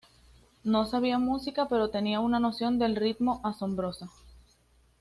No sabía música, pero tenía una noción del ritmo asombrosa.